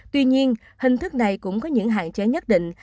tuy nhiên hình thức này cũng có những hạn chế nhất định